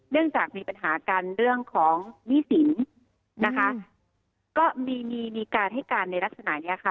เรื่องจากมีปัญหากันเรื่องของหนี้สินนะคะก็มีมีมีการให้การในลักษณะเนี้ยค่ะ